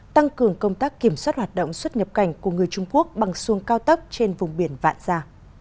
tăng cường công tác kiểm soát hoạt động xuất nhập cảnh của người trung quốc bằng xuồng cao tốc trên vùng biển vạn gia